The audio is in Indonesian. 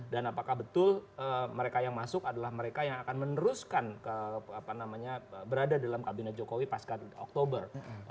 dan apakah betul mereka yang masuk adalah mereka yang akan meneruskan ke apa namanya berada dalam kabinet jokowi pasca oktober dua ribu sembilan belas